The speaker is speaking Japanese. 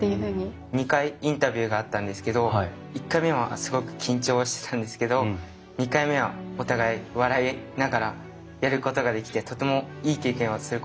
２回インタビューがあったんですけど１回目はすごく緊張してたんですけど２回目はお互い笑いながらやることができてとてもいい経験をすることができました。